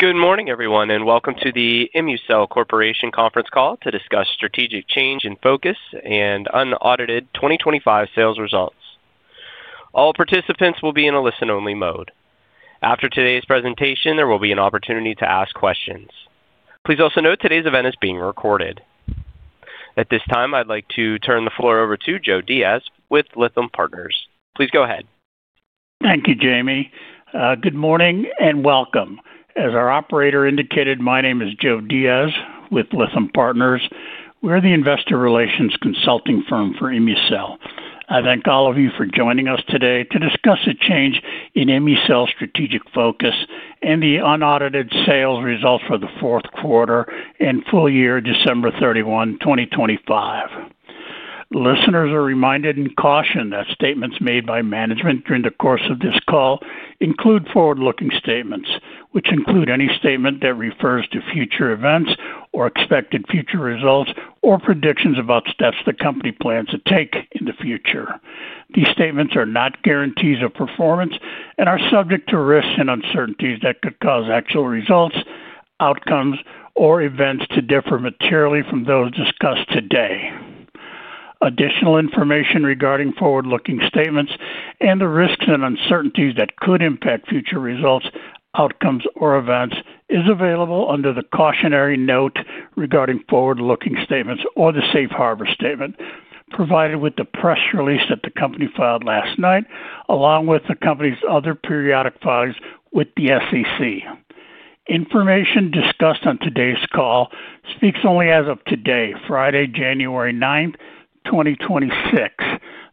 Good morning, everyone, and welcome to the ImmuCell Corporation conference call to discuss strategic change in focus and unaudited 2025 sales results. All participants will be in a listen-only mode. After today's presentation, there will be an opportunity to ask questions. Please also note today's event is being recorded. At this time, I'd like to turn the floor over to Joe Diaz with Lytham Partners. Please go ahead. Thank you, Jamie. Good morning and welcome. As our operator indicated, my name is Joe Diaz with Lytham Partners. We're the investor relations consulting firm for ImmuCell. I thank all of you for joining us today to discuss a change in ImmuCell's strategic focus and the unaudited sales results for the fourth quarter and full year, December 31, 2025. Listeners are reminded and cautioned that statements made by management during the course of this call include forward-looking statements, which include any statement that refers to future events or expected future results or predictions about steps the company plans to take in the future. These statements are not guarantees of performance and are subject to risks and uncertainties that could cause actual results, outcomes, or events to differ materially from those discussed today. Additional information regarding forward-looking statements and the risks and uncertainties that could impact future results, outcomes, or events is available under the cautionary note regarding forward-looking statements or the safe harbor statement provided with the press release that the company filed last night, along with the company's other periodic filings with the SEC. Information discussed on today's call speaks only as of today, Friday, January 9th, 2026.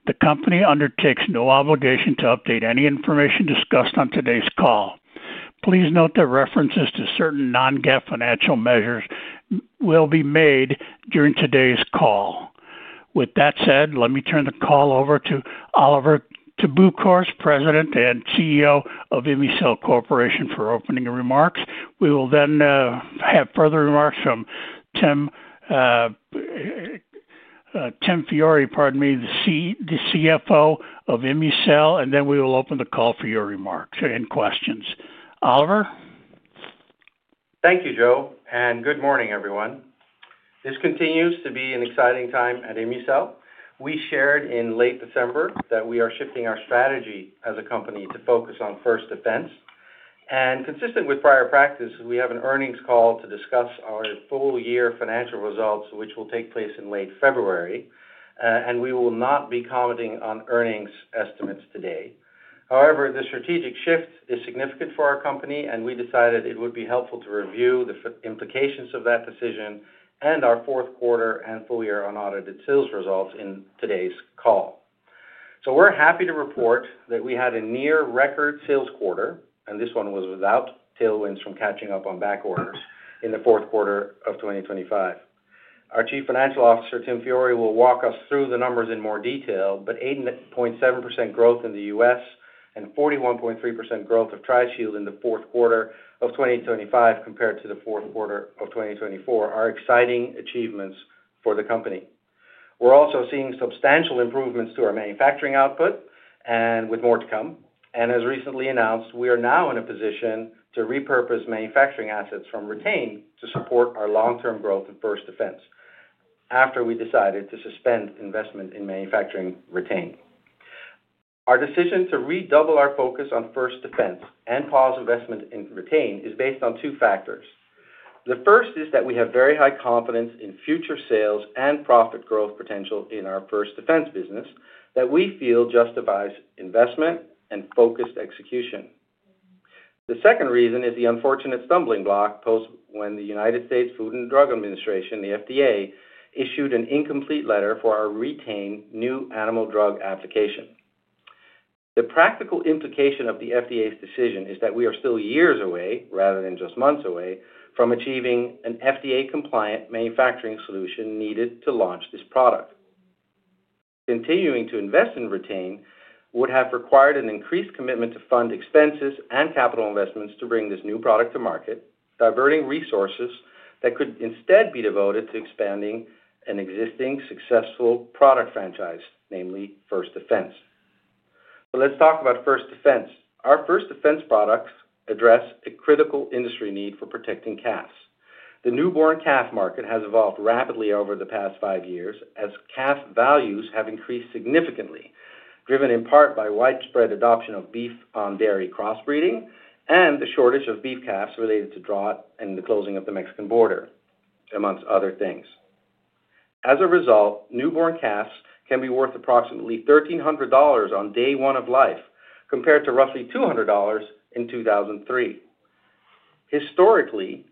The company undertakes no obligation to update any information discussed on today's call. Please note that references to certain non-GAAP financial measures will be made during today's call. With that said, let me turn the call over to Oliver te Boekhorst, President and CEO of ImmuCell Corporation, for opening remarks. We will then have further remarks from Tim Fiori, pardon me, the CFO of ImmuCell, and then we will open the call for your remarks and questions. Oliver? Thank you, Joe, and good morning, everyone. This continues to be an exciting time at ImmuCell. We shared in late December that we are shifting our strategy as a company to focus on First Defense. And consistent with prior practice, we have an earnings call to discuss our full-year financial results, which will take place in late February, and we will not be commenting on earnings estimates today. However, the strategic shift is significant for our company, and we decided it would be helpful to review the implications of that decision and our fourth quarter and full-year unaudited sales results in today's call, so we're happy to report that we had a near-record sales quarter, and this one was without tailwinds from catching up on back orders in the fourth quarter of 2025. Our Chief Financial Officer, Tim Fiori, will walk us through the numbers in more detail, but 8.7% growth in the U.S. and 41.3% growth of Tri-Shield in the fourth quarter of 2025 compared to the fourth quarter of 2024 are exciting achievements for the company. We're also seeing substantial improvements to our manufacturing output and with more to come. And as recently announced, we are now in a position to repurpose manufacturing assets from Re-Tain to support our long-term growth in First Defense after we decided to suspend investment in manufacturing Re-Tain. Our decision to redouble our focus on First Defense and pause investment in Re-Tain is based on two factors. The first is that we have very high confidence in future sales and profit growth potential in our First Defense business that we feel justifies investment and focused execution. The second reason is the unfortunate stumbling block post when the United States Food and Drug Administration, the FDA, issued an Incomplete Letter for our Re-Tain new animal drug application. The practical implication of the FDA's decision is that we are still years away, rather than just months away, from achieving an FDA-compliant manufacturing solution needed to launch this product. Continuing to invest in Re-Tain would have required an increased commitment to fund expenses and capital investments to bring this new product to market, diverting resources that could instead be devoted to expanding an existing successful product franchise, namely First Defense. So let's talk about First Defense. Our First Defense products address a critical industry need for protecting calves. The newborn calf market has evolved rapidly over the past five years as calf values have increased significantly, driven in part by widespread adoption of beef-on-dairy cross-breeding and the shortage of beef calves related to drought and the closing of the Mexican border, among other things. As a result, newborn calves can be worth approximately $1,300 on day one of life compared to roughly $200 in 2003. Historically,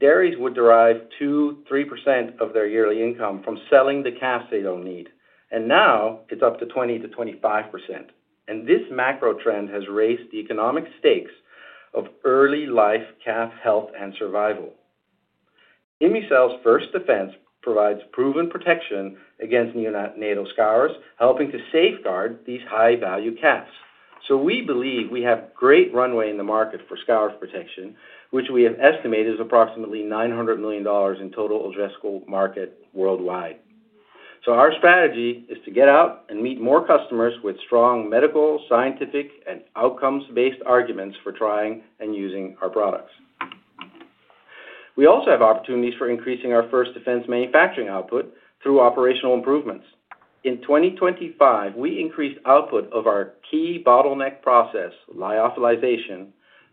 dairies would derive 2%-3% of their yearly income from selling the calves they don't need, and now it's up to 20%-25%. And this macro trend has raised the economic stakes of early-life calf health and survival. ImmuCell's First Defense provides proven protection against neonatal scours, helping to safeguard these high-value calves. So we believe we have great runway in the market for scour protection, which we have estimated is approximately $900 million in total addressable market worldwide. Our strategy is to get out and meet more customers with strong medical, scientific, and outcomes-based arguments for trying and using our products. We also have opportunities for increasing our First Defense manufacturing output through operational improvements. In 2025, we increased output of our key bottleneck process, lyophilization,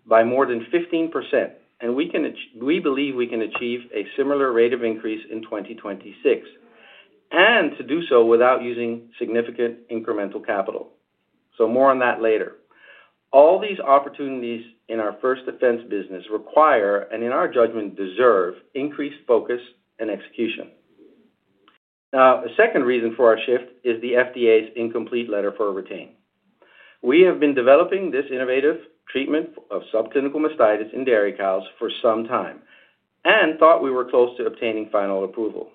by more than 15%, and we believe we can achieve a similar rate of increase in 2026, and to do so without using significant incremental capital. So more on that later. All these opportunities in our First Defense business require, and in our judgment, deserve increased focus and execution. Now, a second reason for our shift is the FDA's Incomplete Letter for Re-Tain. We have been developing this innovative treatment of subclinical mastitis in dairy cows for some time and thought we were close to obtaining final approval.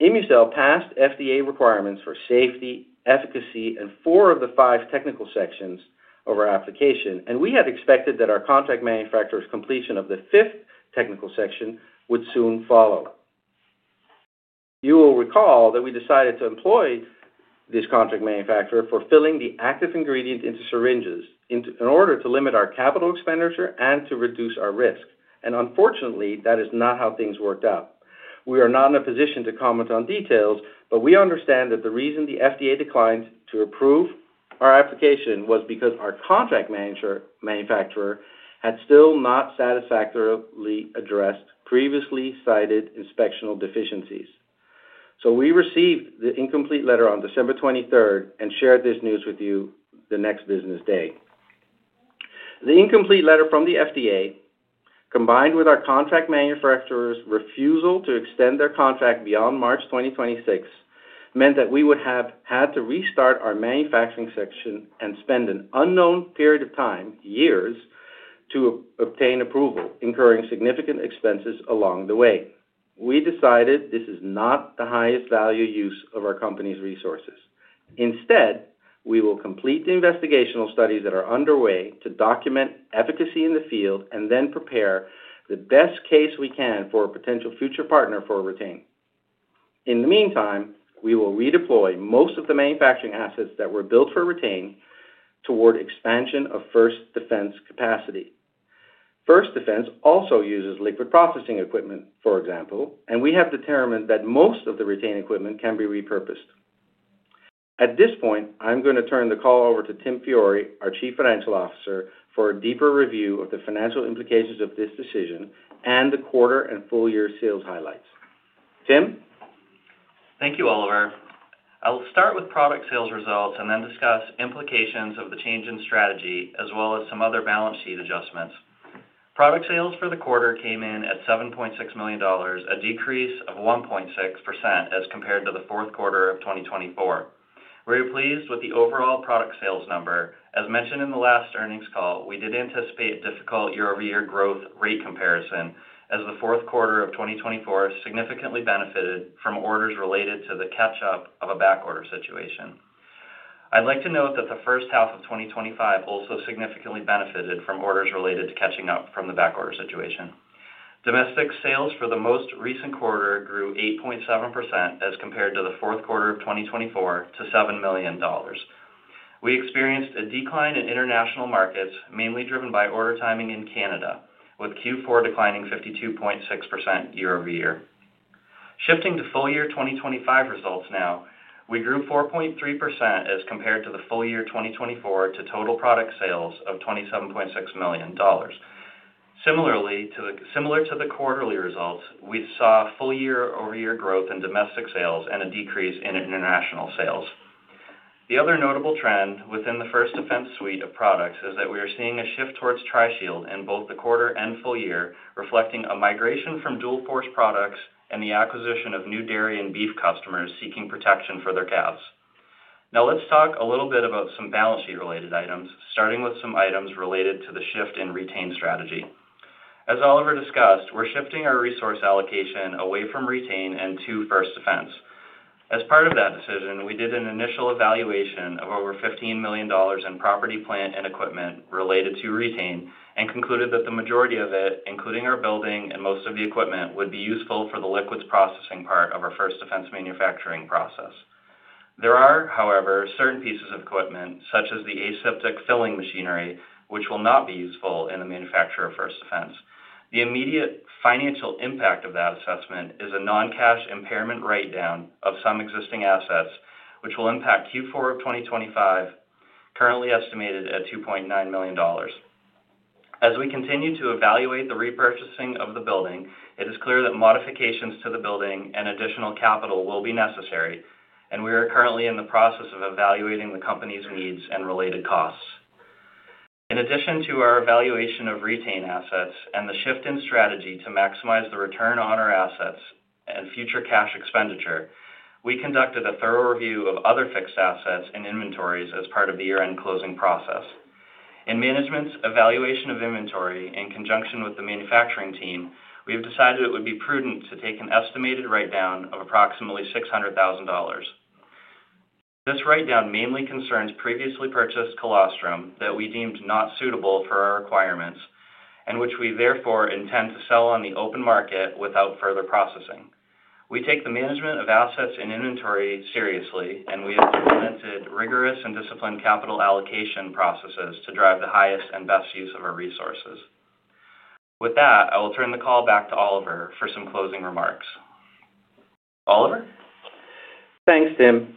ImmuCell passed FDA requirements for safety, efficacy, and four of the five technical sections of our application, and we had expected that our contract manufacturer's completion of the fifth technical section would soon follow. You will recall that we decided to employ this contract manufacturer for filling the active ingredient into syringes in order to limit our capital expenditure and to reduce our risk. And unfortunately, that is not how things worked out. We are not in a position to comment on details, but we understand that the reason the FDA declined to approve our application was because our contract manufacturer had still not satisfactorily addressed previously cited inspectional deficiencies. So we received the incomplete letter on December 23rd and shared this news with you the next business day. The Incomplete Letter from the FDA, combined with our contract manufacturer's refusal to extend their contract beyond March 2026, meant that we would have had to restart our manufacturing section and spend an unknown period of time, years, to obtain approval, incurring significant expenses along the way. We decided this is not the highest value use of our company's resources. Instead, we will complete the investigational studies that are underway to document efficacy in the field and then prepare the best case we can for a potential future partner for Re-Tain. In the meantime, we will redeploy most of the manufacturing assets that were built for Re-Tain toward expansion of First Defense capacity. First Defense also uses liquid processing equipment, for example, and we have determined that most of the Re-Tain equipment can be repurposed. At this point, I'm going to turn the call over to Tim Fiori, our Chief Financial Officer, for a deeper review of the financial implications of this decision and the quarter and full-year sales highlights. Tim? Thank you, Oliver. I'll start with product sales results and then discuss implications of the change in strategy as well as some other balance sheet adjustments. Product sales for the quarter came in at $7.6 million, a decrease of 1.6% as compared to the fourth quarter of 2024. We're pleased with the overall product sales number. As mentioned in the last earnings call, we did anticipate difficult year-over-year growth rate comparison as the fourth quarter of 2024 significantly benefited from orders related to the catch-up of a back order situation. I'd like to note that the first half of 2025 also significantly benefited from orders related to catching up from the back order situation. Domestic sales for the most recent quarter grew 8.7% as compared to the fourth quarter of 2024 to $7 million. We experienced a decline in international markets, mainly driven by order timing in Canada, with Q4 declining 52.6% year-over-year. Shifting to full-year 2025 results now, we grew 4.3% as compared to the full-year 2024 to total product sales of $27.6 million. Similarly to the quarterly results, we saw full-year year-over-year growth in domestic sales and a decrease in international sales. The other notable trend within the First Defense suite of products is that we are seeing a shift towards Tri-Shield in both the quarter and full-year, reflecting a migration from Dual-Force products and the acquisition of new dairy and beef customers seeking protection for their calves. Now, let's talk a little bit about some balance sheet-related items, starting with some items related to the shift in Re-Tain strategy. As Oliver discussed, we're shifting our resource allocation away from Re-Tain and to First Defense. As part of that decision, we did an initial evaluation of over $15 million in property, plant, and equipment related to Re-Tain and concluded that the majority of it, including our building and most of the equipment, would be useful for the liquids processing part of our First Defense manufacturing process. There are, however, certain pieces of equipment, such as the aseptic filling machinery, which will not be useful in the manufacturing of First Defense. The immediate financial impact of that assessment is a non-cash impairment write-down of some existing assets, which will impact Q4 of 2025, currently estimated at $2.9 million. As we continue to evaluate the repurchasing of the building, it is clear that modifications to the building and additional capital will be necessary, and we are currently in the process of evaluating the company's needs and related costs. In addition to our evaluation of retained assets and the shift in strategy to maximize the return on our assets and future cash expenditure, we conducted a thorough review of other fixed assets and inventories as part of the year-end closing process. In management's evaluation of inventory, in conjunction with the manufacturing team, we have decided it would be prudent to take an estimated write-down of approximately $600,000. This write-down mainly concerns previously purchased colostrum that we deemed not suitable for our requirements and which we therefore intend to sell on the open market without further processing. We take the management of assets and inventory seriously, and we have implemented rigorous and disciplined capital allocation processes to drive the highest and best use of our resources. With that, I will turn the call back to Oliver for some closing remarks. Oliver? Thanks, Tim.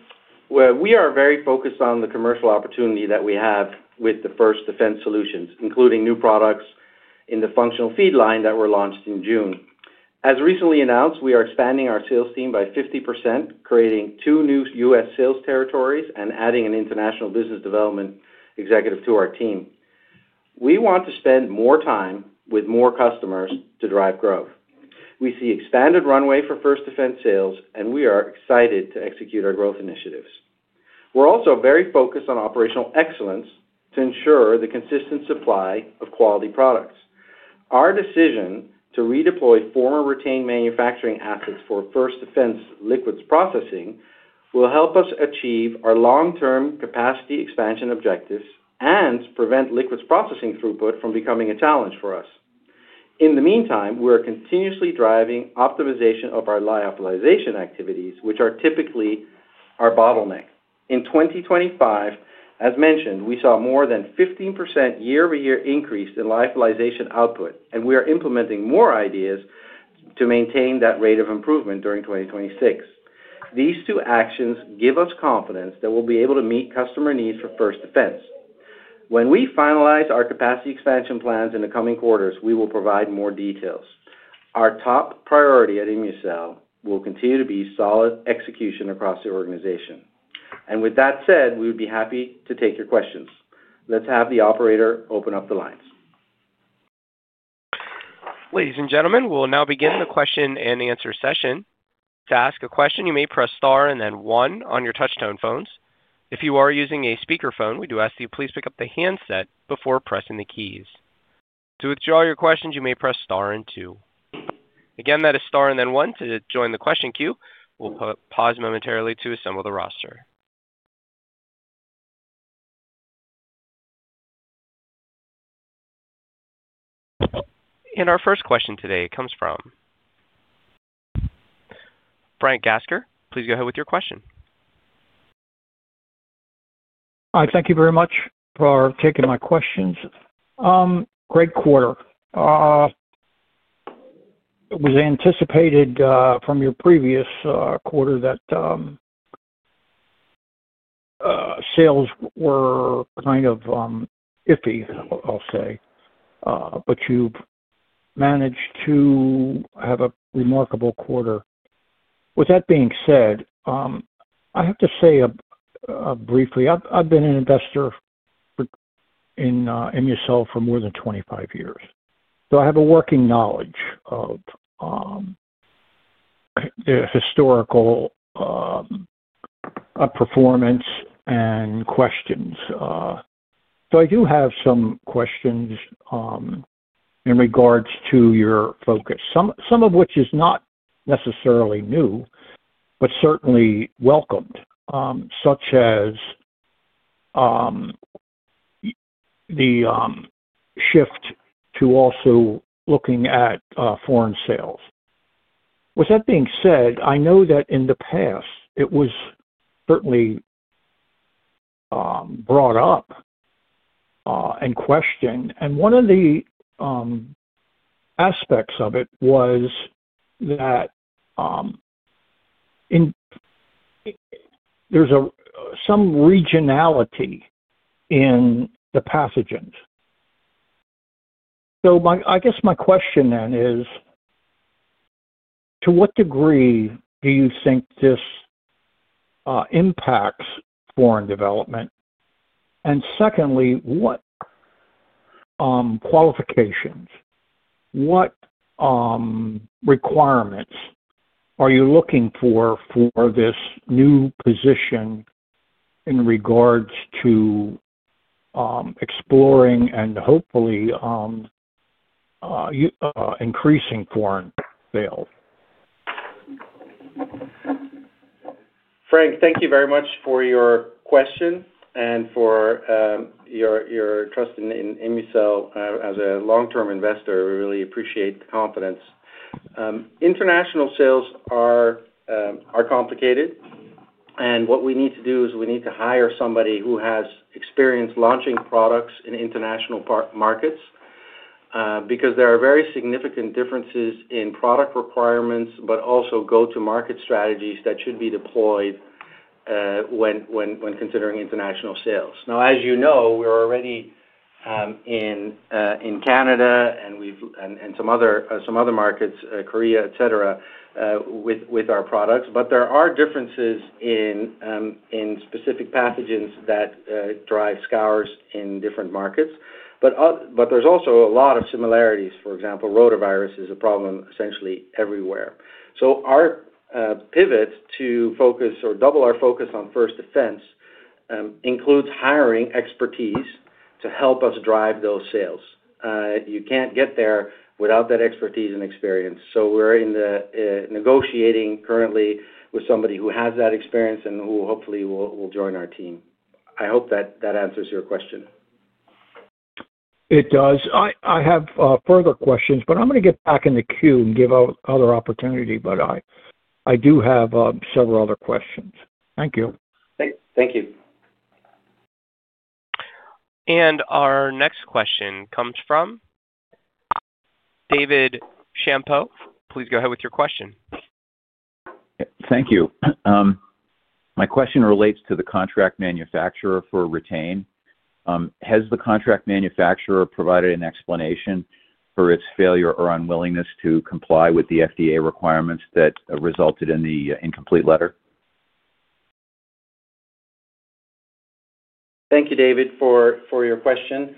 We are very focused on the commercial opportunity that we have with the First Defense solutions, including new products in the functional feed line that were launched in June. As recently announced, we are expanding our sales team by 50%, creating two new U.S. sales territories and adding an international business development executive to our team. We want to spend more time with more customers to drive growth. We see expanded runway for First Defense sales, and we are excited to execute our growth initiatives. We're also very focused on operational excellence to ensure the consistent supply of quality products. Our decision to redeploy former Re-Tain manufacturing assets for First Defense liquids processing will help us achieve our long-term capacity expansion objectives and prevent liquids processing throughput from becoming a challenge for us. In the meantime, we are continuously driving optimization of our lyophilization activities, which are typically our bottleneck. In 2025, as mentioned, we saw more than 15% year-over-year increase in lyophilization output, and we are implementing more ideas to maintain that rate of improvement during 2026. These two actions give us confidence that we'll be able to meet customer needs for First Defense. When we finalize our capacity expansion plans in the coming quarters, we will provide more details. Our top priority at ImmuCell will continue to be solid execution across the organization. And with that said, we would be happy to take your questions. Let's have the operator open up the lines. Ladies and gentlemen, we'll now begin the question-and-answer session. To ask a question, you may press star and then one on your touch-tone phones. If you are using a speakerphone, we do ask that you please pick up the handset before pressing the keys. To withdraw your questions, you may press star and two. Again, that is star and then one. To join the question queue, we'll pause momentarily to assemble the roster, and our first question today comes from Frank Gasker. Please go ahead with your question. Hi, thank you very much for taking my questions. Great quarter. It was anticipated from your previous quarter that sales were kind of iffy, I'll say, but you've managed to have a remarkable quarter. With that being said, I have to say briefly, I've been an investor in ImmuCell for more than 25 years, so I have a working knowledge of the historical performance and questions. So I do have some questions in regards to your focus, some of which is not necessarily new, but certainly welcomed, such as the shift to also looking at foreign sales. With that being said, I know that in the past, it was certainly brought up and questioned, and one of the aspects of it was that there's some regionality in the pathogens. So I guess my question then is, to what degree do you think this impacts foreign development? Secondly, what qualifications, what requirements are you looking for for this new position in regards to exploring and hopefully increasing foreign sales? Frank, thank you very much for your question and for your trust in ImmuCell as a long-term investor. We really appreciate the confidence. International sales are complicated, and what we need to do is we need to hire somebody who has experience launching products in international markets because there are very significant differences in product requirements, but also go-to-market strategies that should be deployed when considering international sales. Now, as you know, we're already in Canada and some other markets, Korea, etc., with our products, but there are differences in specific pathogens that drive scours in different markets. But there's also a lot of similarities. For example, rotavirus is a problem essentially everywhere. So our pivot to focus or double our focus on First Defense includes hiring expertise to help us drive those sales. You can't get there without that expertise and experience. So we're negotiating currently with somebody who has that experience and who hopefully will join our team. I hope that answers your question. It does. I have further questions, but I'm going to get back in the queue and give other opportunity, but I do have several other questions. Thank you. Thank you. And our next question comes from David Champeau. Please go ahead with your question. Thank you. My question relates to the contract manufacturer for Re-Tain. Has the contract manufacturer provided an explanation for its failure or unwillingness to comply with the FDA requirements that resulted in the Incomplete Letter? Thank you, David, for your question.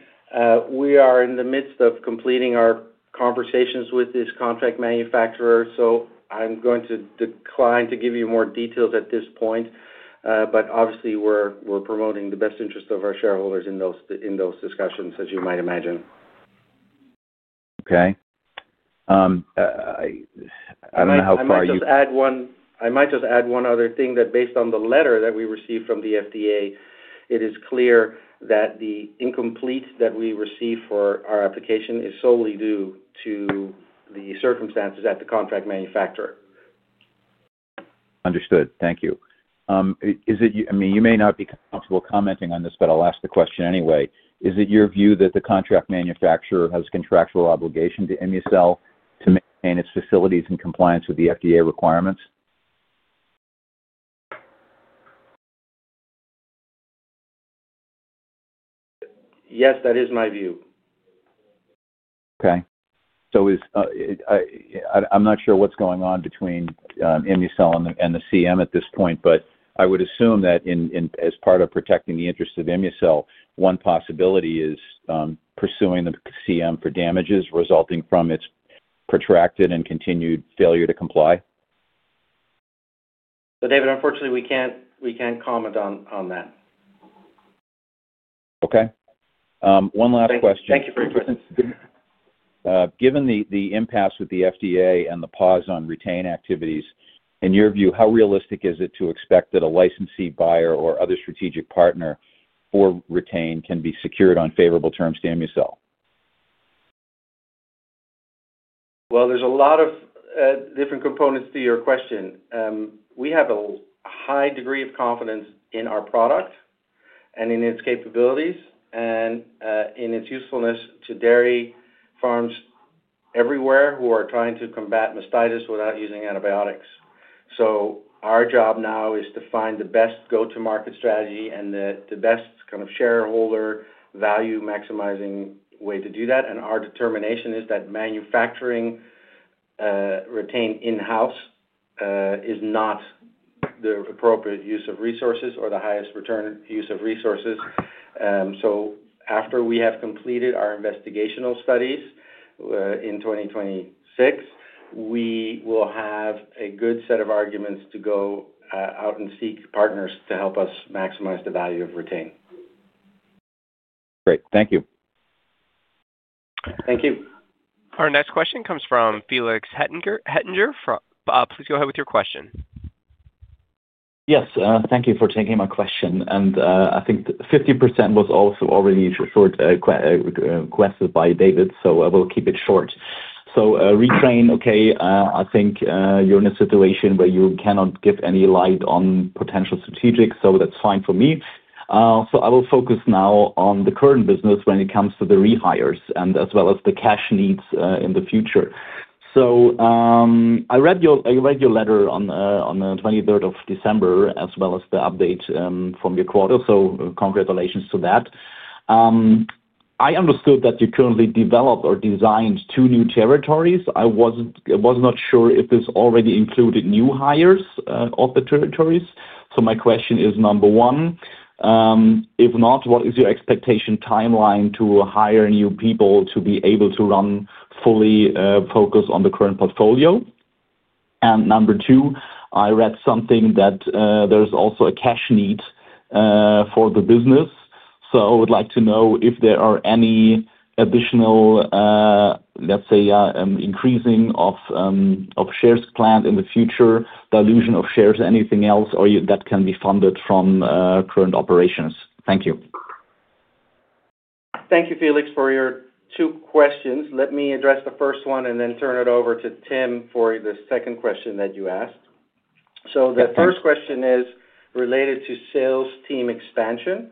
We are in the midst of completing our conversations with this contract manufacturer, so I'm going to decline to give you more details at this point, but obviously, we're promoting the best interest of our shareholders in those discussions, as you might imagine. Okay. I don't know how far you. I might just add one other thing, that based on the letter that we received from the FDA, it is clear that the Incomplete Letter that we received for our application is solely due to the circumstances at the contract manufacturer. Understood. Thank you. I mean, you may not be comfortable commenting on this, but I'll ask the question anyway. Is it your view that the contract manufacturer has a contractual obligation to ImmuCell to maintain its facilities in compliance with the FDA requirements? Yes, that is my view. Okay, so I'm not sure what's going on between ImmuCell and the CM at this point, but I would assume that as part of protecting the interests of ImmuCell, one possibility is pursuing the CM for damages resulting from its protracted and continued failure to comply? So, David, unfortunately, we can't comment on that. Okay. One last question. Thank you for your question. Given the impasse with the FDA and the pause on Re-Tain activities, in your view, how realistic is it to expect that a licensee buyer or other strategic partner for Re-Tain can be secured on favorable terms to ImmuCell? There's a lot of different components to your question. We have a high degree of confidence in our product and in its capabilities and in its usefulness to dairy farms everywhere who are trying to combat mastitis without using antibiotics. Our job now is to find the best go-to-market strategy and the best kind of shareholder value-maximizing way to do that. Our determination is that manufacturing Re-Tain in-house is not the appropriate use of resources or the highest return use of resources. After we have completed our investigational studies in 2026, we will have a good set of arguments to go out and seek partners to help us maximize the value of Re-Tain. Great. Thank you. Thank you. Our next question comes from Felix Hettinger. Please go ahead with your question. Yes. Thank you for taking my question. And I think 50% was also already requested by David, so I will keep it short. So Re-Tain, okay. I think you're in a situation where you cannot give any light on potential strategics, so that's fine for me. So I will focus now on the current business when it comes to the rehires and as well as the cash needs in the future. So I read your letter on the 23rd of December as well as the update from your quarter, so congratulations to that. I understood that you currently developed or designed two new territories. I was not sure if this already included new hires of the territories. So my question is, number one, if not, what is your expectation timeline to hire new people to be able to run fully focused on the current portfolio? And number two, I read something that there's also a cash need for the business. So I would like to know if there are any additional, let's say, increasing of shares planned in the future, dilution of shares, anything else that can be funded from current operations. Thank you. Thank you, Felix, for your two questions. Let me address the first one and then turn it over to Tim for the second question that you asked, so the first question is related to sales team expansion,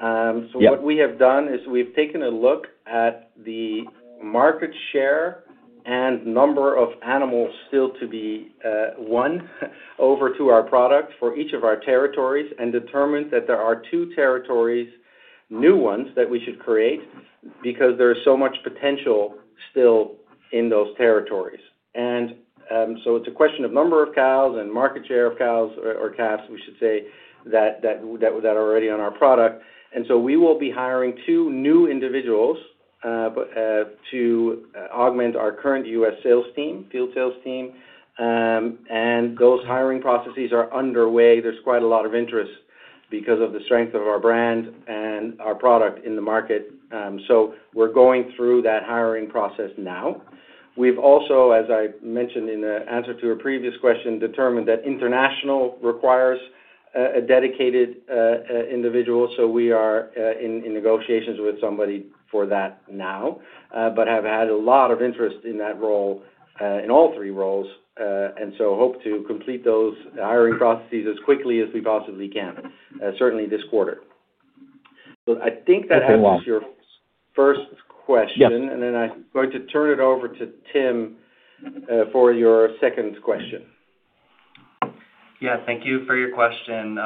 so what we have done is we've taken a look at the market share and number of animals still to be won over to our product for each of our territories and determined that there are two territories, new ones that we should create because there is so much potential still in those territories, and so it's a question of number of cows and market share of cows or calves, we should say, that are already on our product, and so we will be hiring two new individuals to augment our current U.S. sales team, field sales team. And those hiring processes are underway. There's quite a lot of interest because of the strength of our brand and our product in the market. So we're going through that hiring process now. We've also, as I mentioned in the answer to a previous question, determined that international requires a dedicated individual. So we are in negotiations with somebody for that now, but have had a lot of interest in that role, in all three roles, and so hope to complete those hiring processes as quickly as we possibly can, certainly this quarter. So I think that answers your first question, and then I'm going to turn it over to Tim for your second question. Yeah. Thank you for your question.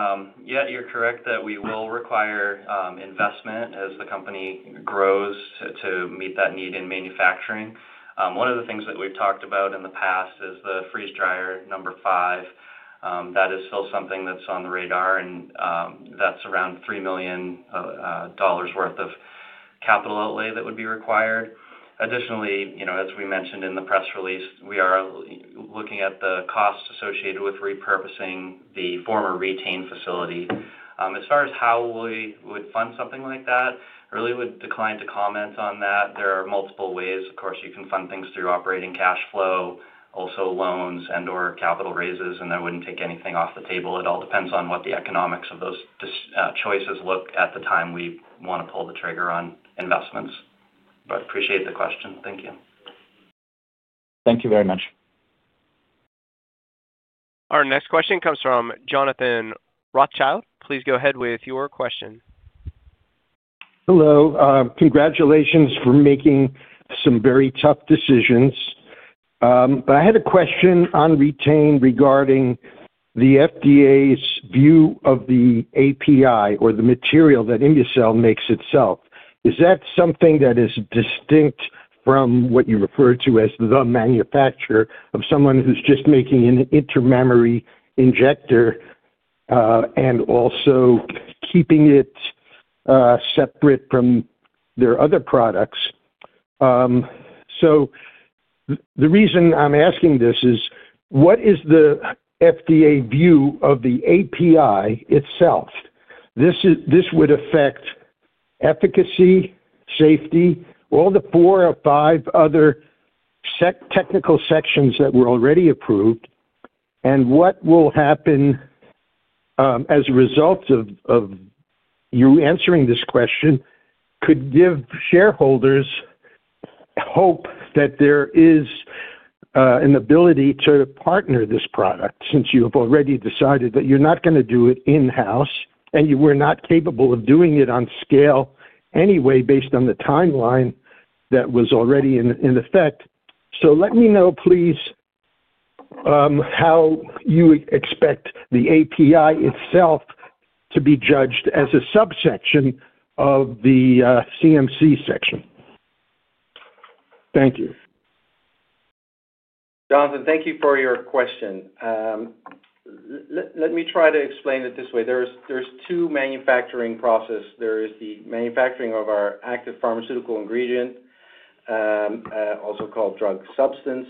Yeah, you're correct that we will require investment as the company grows to meet that need in manufacturing. One of the things that we've talked about in the past is the freeze dryer number five. That is still something that's on the radar, and that's around $3 million worth of capital outlay that would be required. Additionally, as we mentioned in the press release, we are looking at the cost associated with repurposing the former Re-Tain facility. As far as how we would fund something like that, I really would decline to comment on that. There are multiple ways. Of course, you can fund things through operating cash flow, also loans and/or capital raises, and that wouldn't take anything off the table. It all depends on what the economics of those choices look like at the time we want to pull the trigger on investments. But I appreciate the question. Thank you. Thank you very much. Our next question comes from Jonathan Rothschild. Please go ahead with your question. Hello. Congratulations for making some very tough decisions. But I had a question on Re-Tain regarding the FDA's view of the API or the material that ImmuCell makes itself. Is that something that is distinct from what you refer to as the manufacturer of someone who's just making an intramammary injector and also keeping it separate from their other products? So the reason I'm asking this is, what is the FDA view of the API itself? This would affect efficacy, safety, all the four or five other technical sections that were already approved, and what will happen as a result of you answering this question could give shareholders hope that there is an ability to partner this product since you have already decided that you're not going to do it in-house and you were not capable of doing it on scale anyway based on the timeline that was already in effect. So let me know, please, how you expect the API itself to be judged as a subsection of the CMC section. Thank you. Jonathan, thank you for your question. Let me try to explain it this way. There's two manufacturing processes. There is the manufacturing of our active pharmaceutical ingredient, also called drug substance.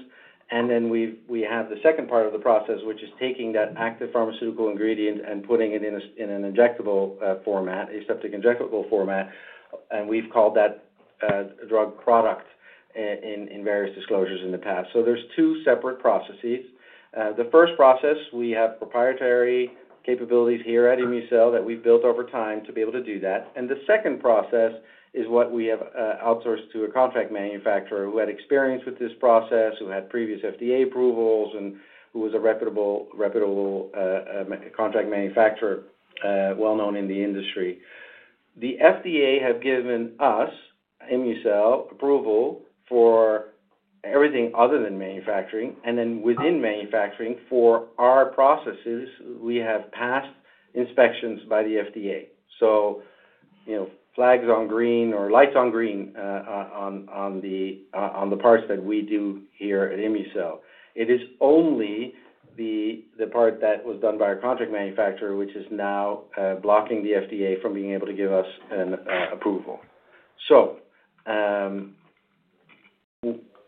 And then we have the second part of the process, which is taking that active pharmaceutical ingredient and putting it in an injectable format, aseptic injectable format. And we've called that drug product in various disclosures in the past. So there's two separate processes. The first process, we have proprietary capabilities here at ImmuCell that we've built over time to be able to do that. And the second process is what we have outsourced to a contract manufacturer who had experience with this process, who had previous FDA approvals, and who was a reputable contract manufacturer well-known in the industry. The FDA has given us, ImmuCell, approval for everything other than manufacturing. Then within manufacturing, for our processes, we have passed inspections by the FDA. So flags on green or lights on green on the parts that we do here at ImmuCell. It is only the part that was done by our contract manufacturer, which is now blocking the FDA from being able to give us an approval. So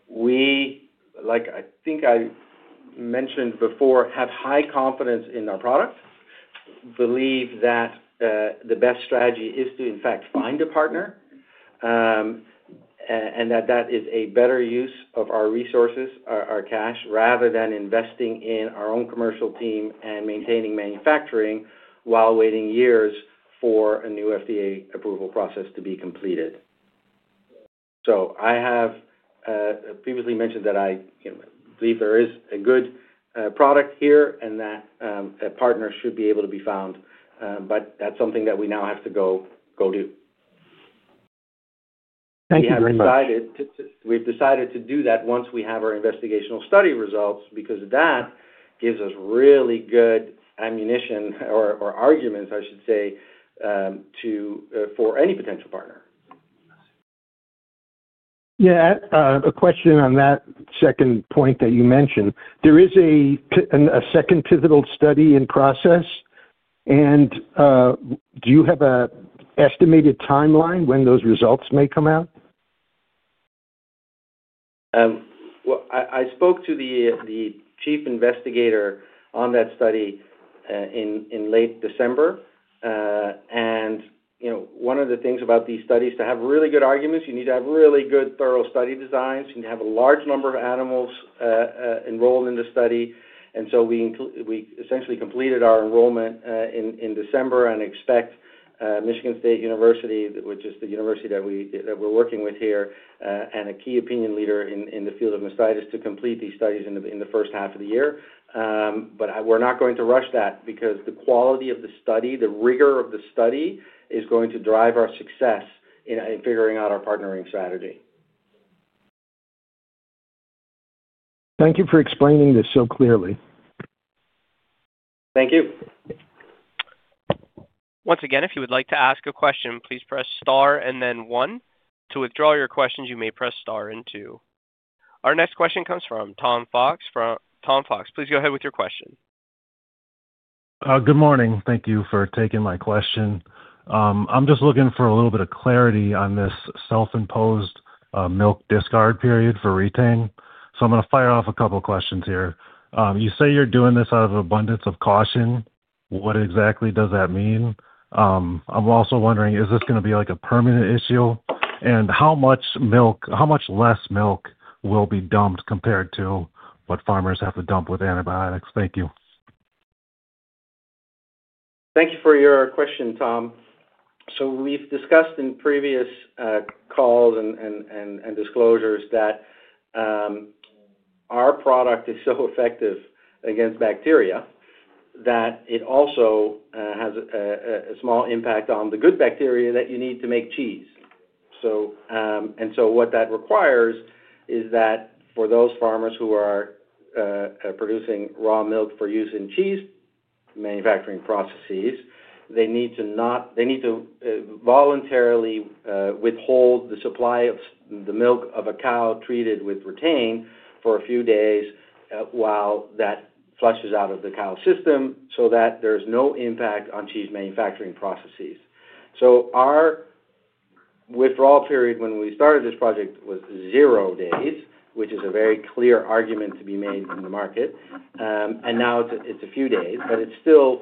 we, like I think I mentioned before, have high confidence in our product, believe that the best strategy is to, in fact, find a partner and that that is a better use of our resources, our cash, rather than investing in our own commercial team and maintaining manufacturing while waiting years for a new FDA approval process to be completed. I have previously mentioned that I believe there is a good product here and that a partner should be able to be found, but that's something that we now have to go do. Thank you very much. We've decided to do that once we have our investigational study results because that gives us really good ammunition or arguments, I should say, for any potential partner. Yeah. A question on that second point that you mentioned. There is a second pivotal study in process. And do you have an estimated timeline when those results may come out? I spoke to the chief investigator on that study in late December. One of the things about these studies is to have really good arguments. You need to have really good, thorough study designs. You need to have a large number of animals enrolled in the study. We essentially completed our enrollment in December and expect Michigan State University, which is the university that we're working with here and a key opinion leader in the field of mastitis, to complete these studies in the first half of the year. We're not going to rush that because the quality of the study, the rigor of the study is going to drive our success in figuring out our partnering strategy. Thank you for explaining this so clearly. Thank you. Once again, if you would like to ask a question, please press star and then one. To withdraw your questions, you may press star and two. Our next question comes from Tom Fox. Tom Fox, please go ahead with your question. Good morning. Thank you for taking my question. I'm just looking for a little bit of clarity on this self-imposed milk discard period for Re-Tain. So I'm going to fire off a couple of questions here. You say you're doing this out of abundance of caution. What exactly does that mean? I'm also wondering, is this going to be a permanent issue? And how much less milk will be dumped compared to what farmers have to dump with antibiotics? Thank you. Thank you for your question, Tom. So we've discussed in previous calls and disclosures that our product is so effective against bacteria that it also has a small impact on the good bacteria that you need to make cheese. And so what that requires is that for those farmers who are producing raw milk for use in cheese manufacturing processes, they need to voluntarily withhold the supply of the milk of a cow treated with Re-Tain for a few days while that flushes out of the cow system so that there is no impact on cheese manufacturing processes. So our withdrawal period when we started this project was zero days, which is a very clear argument to be made in the market. And now it's a few days, but it's still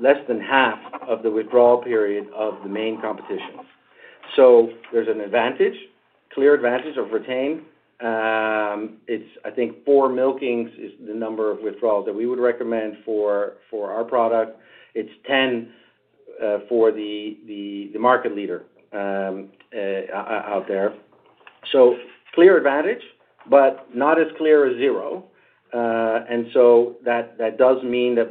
less than half of the withdrawal period of the main competition. So there's an advantage, clear advantage of Re-Tain. It's, I think, four milkings is the number of withdrawals that we would recommend for our product. It's 10 for the market leader out there, so clear advantage, but not as clear as zero, and so that does mean that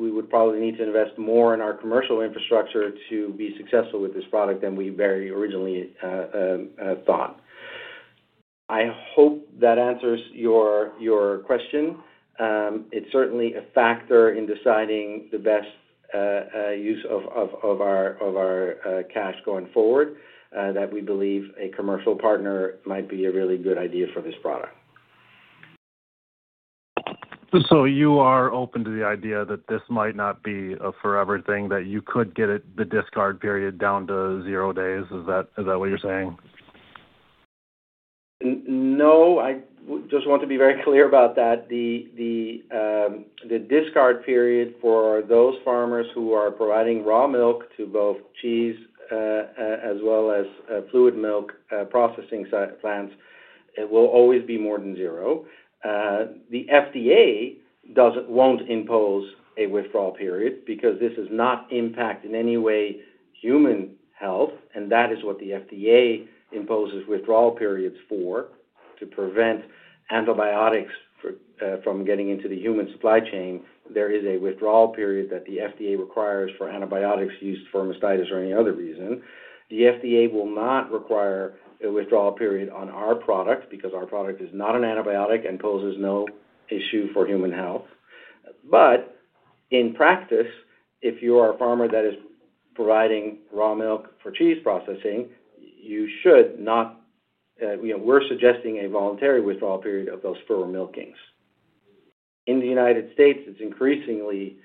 we would probably need to invest more in our commercial infrastructure to be successful with this product than we very originally thought. I hope that answers your question. It's certainly a factor in deciding the best use of our cash going forward that we believe a commercial partner might be a really good idea for this product. So you are open to the idea that this might not be a forever thing, that you could get the discard period down to zero days. Is that what you're saying? No. I just want to be very clear about that. The discard period for those farmers who are providing raw milk to both cheese as well as fluid milk processing plants will always be more than zero. The FDA won't impose a withdrawal period because this does not impact in any way human health, and that is what the FDA imposes withdrawal periods for. To prevent antibiotics from getting into the human supply chain, there is a withdrawal period that the FDA requires for antibiotics used for mastitis or any other reason. The FDA will not require a withdrawal period on our product because our product is not an antibiotic and poses no issue for human health. But in practice, if you are a farmer that is providing raw milk for cheese processing, you should not. We're suggesting a voluntary withdrawal period of those four milkings. In the United States, it's increasingly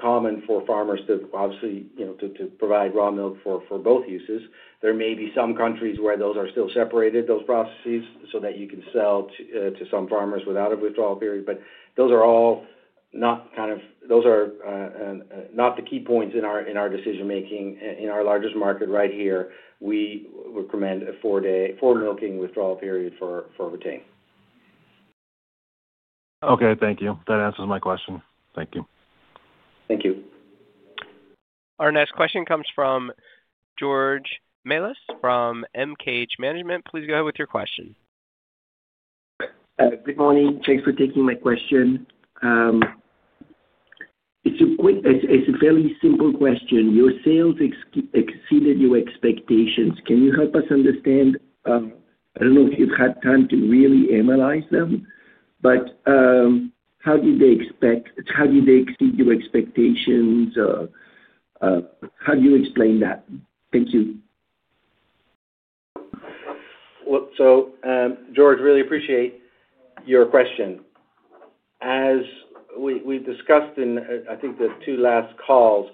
common for farmers to obviously provide raw milk for both uses. There may be some countries where those are still separated, those processes, so that you can sell to some farmers without a withdrawal period. But those are not the key points in our decision-making in our largest market right here. We recommend a four-milking withdrawal period for Re-Tain. Okay. Thank you. That answers my question. Thank you. Thank you. Our next question comes from George Melas from MKH Management. Please go ahead with your question. Good morning. Thanks for taking my question. It's a fairly simple question. Your sales exceeded your expectations. Can you help us understand? I don't know if you've had time to really analyze them, but how did they exceed your expectations? How do you explain that? Thank you. So George, really appreciate your question. As we've discussed in, I think, the two last calls,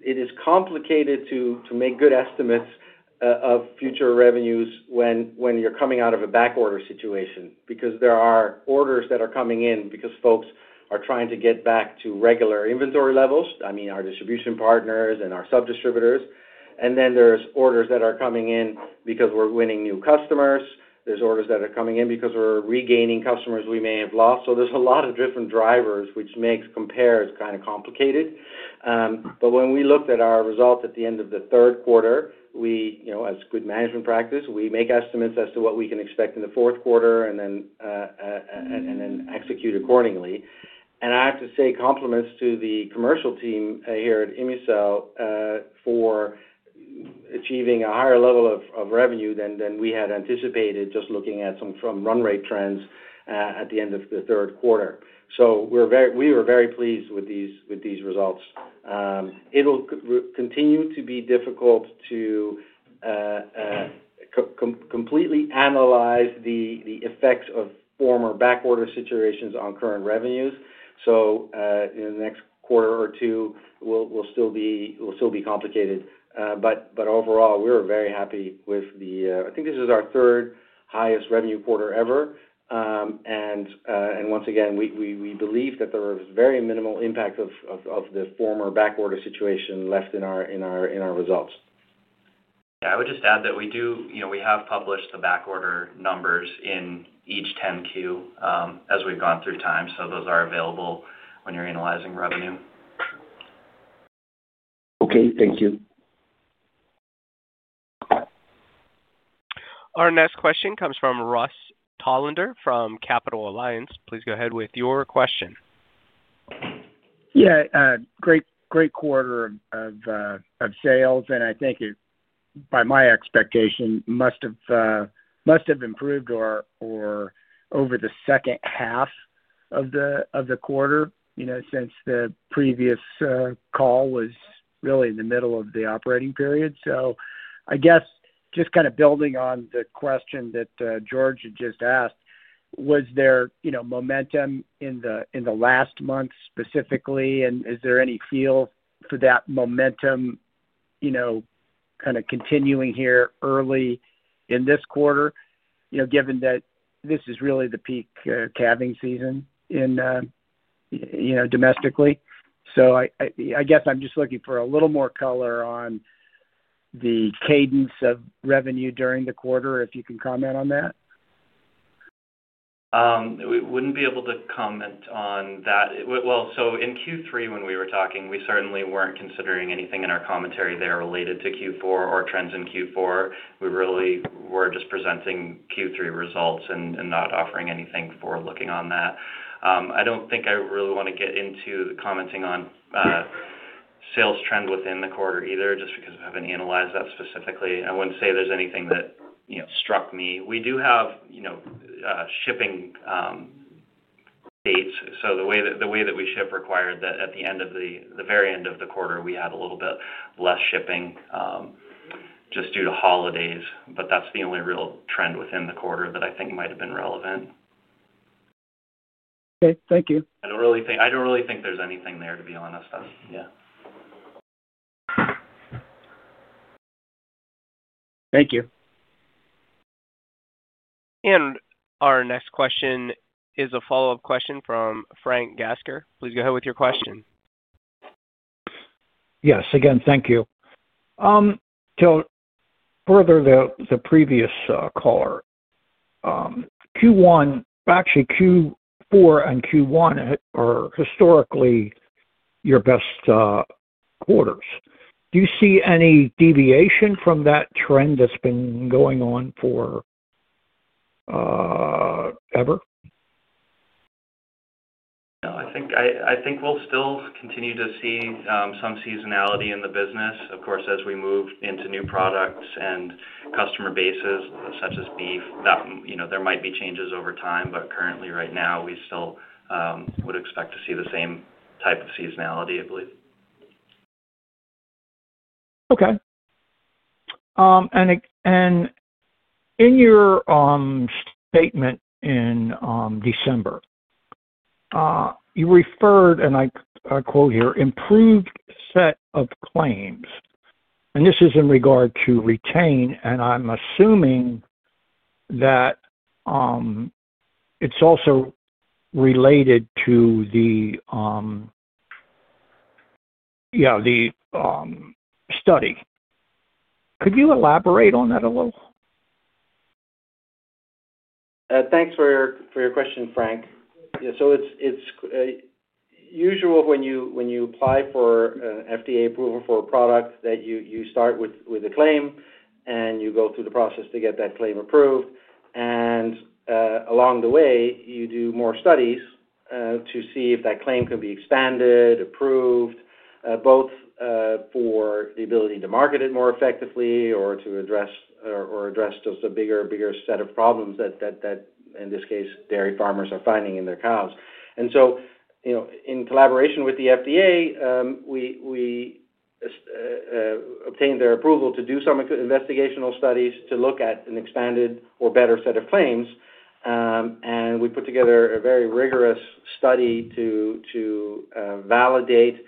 it is complicated to make good estimates of future revenues when you're coming out of a backorder situation because there are orders that are coming in because folks are trying to get back to regular inventory levels. I mean, our distribution partners and our sub-distributors. And then there are orders that are coming in because we're winning new customers. There are orders that are coming in because we're regaining customers we may have lost. So there's a lot of different drivers, which makes comparing kind of complicated. But when we looked at our results at the end of the third quarter, as good management practice, we make estimates as to what we can expect in the fourth quarter and then execute accordingly. I have to say compliments to the commercial team here at ImmuCell for achieving a higher level of revenue than we had anticipated just looking at some run rate trends at the end of the third quarter. So we were very pleased with these results. It will continue to be difficult to completely analyze the effects of former backorder situations on current revenues. So in the next quarter or two, it'll still be complicated. But overall, we're very happy with. I think this is our third highest revenue quarter ever. Once again, we believe that there is very minimal impact of the former backorder situation left in our results. Yeah. I would just add that we have published the backorder numbers in each 10-Q as we've gone through time. So those are available when you're analyzing revenue. Okay. Thank you. Our next question comes from Russell Tolander from Capital Alliance. Please go ahead with your question. Yeah. Great quarter of sales. And I think, by my expectation, must have improved over the second half of the quarter since the previous call was really in the middle of the operating period. So I guess just kind of building on the question that George had just asked, was there momentum in the last month specifically? And is there any feel for that momentum kind of continuing here early in this quarter, given that this is really the peak calving season domestically? So I guess I'm just looking for a little more color on the cadence of revenue during the quarter, if you can comment on that? We wouldn't be able to comment on that. In Q3, when we were talking, we certainly weren't considering anything in our commentary there related to Q4 or trends in Q4. We really were just presenting Q3 results and not offering anything for looking on that. I don't think I really want to get into commenting on sales trend within the quarter either, just because we haven't analyzed that specifically. I wouldn't say there's anything that struck me. We do have shipping dates, so the way that we ship required that at the very end of the quarter, we had a little bit less shipping just due to holidays, but that's the only real trend within the quarter that I think might have been relevant. Okay. Thank you. I don't really think there's anything there, to be honest. Yeah. Thank you. Our next question is a follow-up question from Frank Gasker. Please go ahead with your question. Yes. Again, thank you. To further the previous caller, Q1, actually Q4 and Q1 are historically your best quarters. Do you see any deviation from that trend that's been going on forever? No. I think we'll still continue to see some seasonality in the business. Of course, as we move into new products and customer bases such as beef, there might be changes over time. But currently, right now, we still would expect to see the same type of seasonality, I believe. Okay. And in your statement in December, you referred, and I quote here, "Improved set of claims." And this is in regard to Re-Tain, and I'm assuming that it's also related to the, yeah, the study. Could you elaborate on that a little? Thanks for your question, Frank. So it's usual when you apply for FDA approval for a product that you start with a claim, and you go through the process to get that claim approved. And along the way, you do more studies to see if that claim can be expanded, approved, both for the ability to market it more effectively or to address just a bigger set of problems that, in this case, dairy farmers are finding in their cows. And so in collaboration with the FDA, we obtained their approval to do some investigational studies to look at an expanded or better set of claims. And we put together a very rigorous study to validate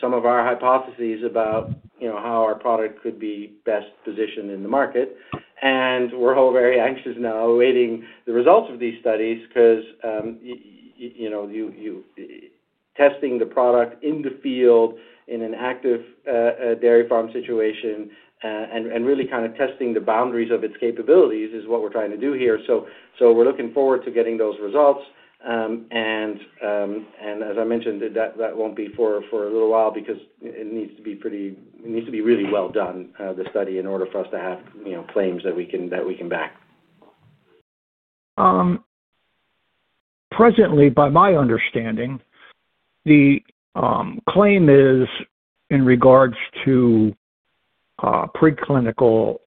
some of our hypotheses about how our product could be best positioned in the market. We're all very anxious now awaiting the results of these studies because testing the product in the field in an active dairy farm situation and really kind of testing the boundaries of its capabilities is what we're trying to do here. We're looking forward to getting those results. As I mentioned, that won't be for a little while because it needs to be really well done, the study, in order for us to have claims that we can back. Presently, by my understanding, the claim is in regards to subclinical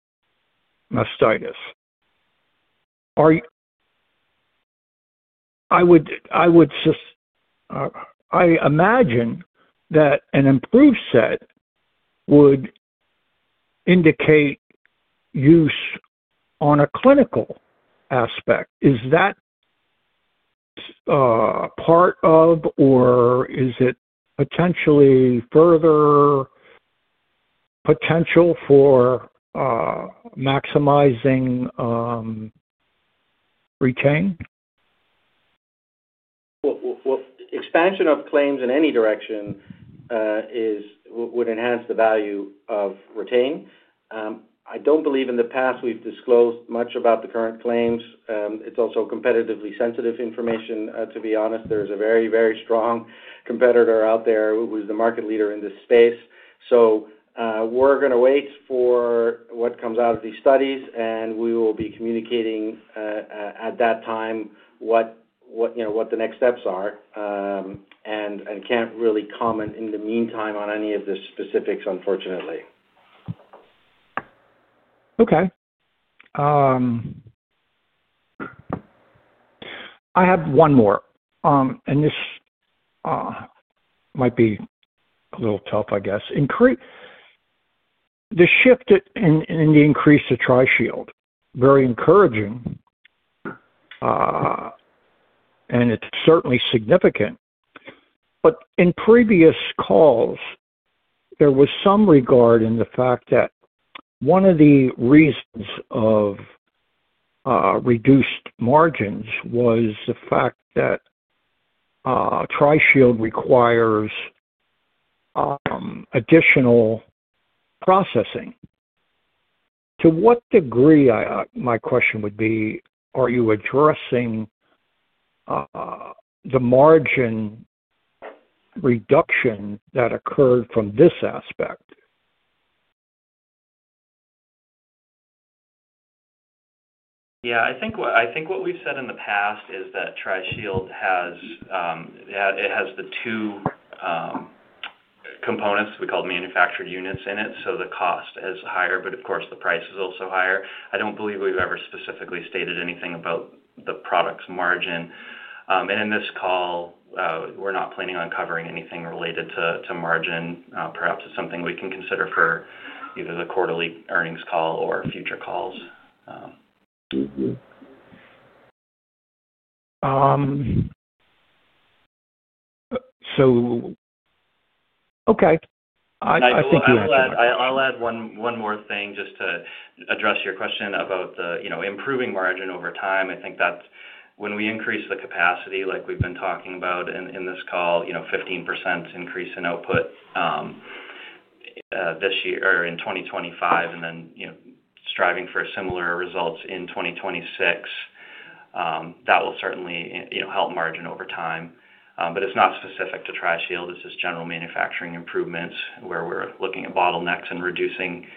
mastitis. I would just imagine that an improved set would indicate use on a clinical aspect. Is that part of, or is it potentially further potential for maximizing Re-Tain? Expansion of claims in any direction would enhance the value of Re-Tain. I don't believe in the past we've disclosed much about the current claims. It's also competitively sensitive information, to be honest. There is a very, very strong competitor out there who is the market leader in this space. So we're going to wait for what comes out of these studies, and we will be communicating at that time what the next steps are. And I can't really comment in the meantime on any of the specifics, unfortunately. Okay. I have one more. And this might be a little tough, I guess. The shift in the increase to Tri-Shield, very encouraging, and it's certainly significant. But in previous calls, there was some regard to the fact that one of the reasons of reduced margins was the fact that Tri-Shield requires additional processing. To what degree my question would be, are you addressing the margin reduction that occurred from this aspect? Yeah. I think what we've said in the past is that TriShield has the two components we call manufactured units in it. So the cost is higher, but of course, the price is also higher. I don't believe we've ever specifically stated anything about the product's margin. And in this call, we're not planning on covering anything related to margin. Perhaps it's something we can consider for either the quarterly earnings call or future calls. Okay. I think you answered that. I'll add one more thing just to address your question about improving margin over time. I think that when we increase the capacity, like we've been talking about in this call, 15% increase in output this year or in 2025, and then striving for similar results in 2026, that will certainly help margin over time. But it's not specific to Tri-Shield. It's just general manufacturing improvements where we're looking at bottlenecks and reducing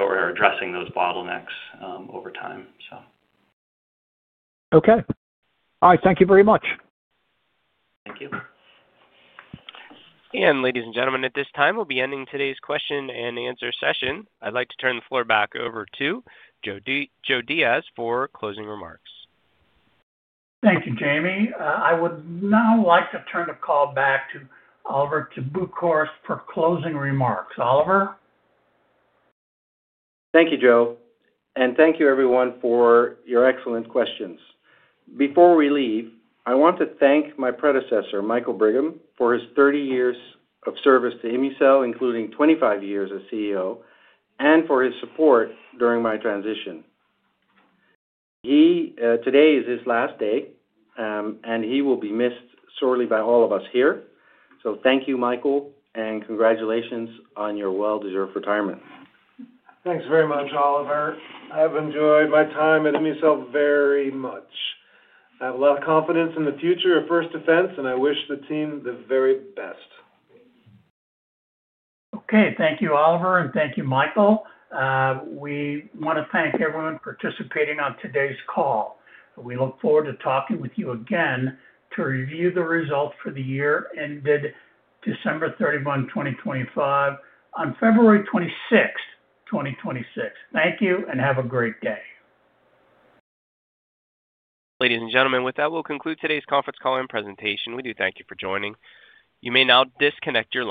or addressing those bottlenecks over time, so. Okay. All right. Thank you very much. Thank you. Ladies and gentlemen, at this time, we'll be ending today's question-and-answer session. I'd like to turn the floor back over to Joe Diaz for closing remarks. Thank you, Jamie. I would now like to turn the call back to Oliver te Boekhorst for closing remarks. Oliver? Thank you, Joe. And thank you, everyone, for your excellent questions. Before we leave, I want to thank my predecessor, Michael Brigham, for his 30 years of service to ImmuCell, including 25 years as CEO, and for his support during my transition. Today is his last day, and he will be missed sorely by all of us here. So thank you, Michael, and congratulations on your well-deserved retirement. Thanks very much, Oliver. I have enjoyed my time at ImmuCell very much. I have a lot of confidence in the future of First Defense, and I wish the team the very best. Okay. Thank you, Oliver, and thank you, Michael. We want to thank everyone participating on today's call. We look forward to talking with you again to review the results for the year ended December 31, 2025, on February 26, 2026. Thank you, and have a great day. Ladies and gentlemen, with that, we'll conclude today's conference call and presentation. We do thank you for joining. You may now disconnect your.